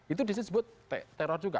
itu disebut teror juga